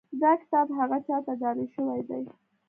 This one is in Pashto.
دا کتاب هغه چا ته ډالۍ شوی دی.